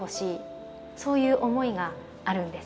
そういう思いがあるんです。